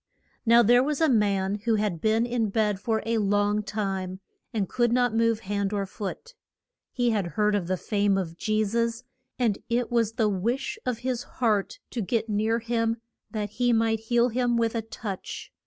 Now there was a man who had been in bed for a long time, and could not move hand or foot. He had heard of the fame of Je sus, and it was the wish of his heart to get near him that he might heal him with a touch.